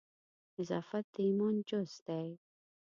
نظافت د ایمان جزء دی.